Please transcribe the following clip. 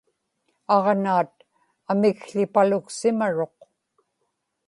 aġnaat amikł̣ipaluksimaruq